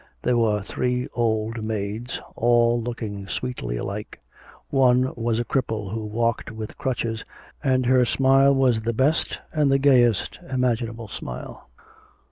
There were three old maids, all looking sweetly alike; one was a cripple who walked with crutches, and her smile was the best and the gayest imaginable smile.